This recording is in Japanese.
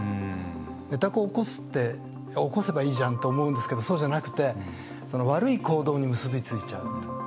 寝た子を起こすって起こせばいいじゃんって思いますけどそうじゃなくて悪い行動に結び付いちゃう。